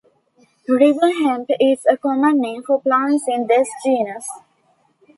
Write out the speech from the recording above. Riverhemp is a common name for plants in this genus.